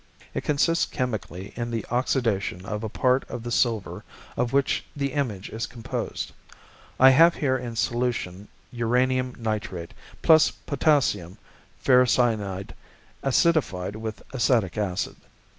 "It consists chemically in the oxidation of a part of the silver of which the image is composed. I have here in solution uranium nitrate, plus potassium ferricyanide acidified with acetic acid.